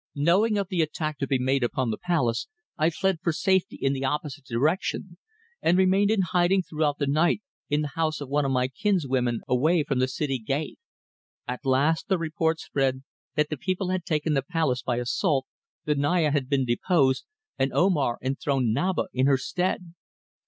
Knowing of the attack to be made upon the palace I fled for safety in the opposite direction, and remained in hiding throughout the night in the house of one of my kinswomen away towards the city gate. At last the report spread that the people had taken the palace by assault, the Naya had been deposed, and Omar enthroned Naba in her stead.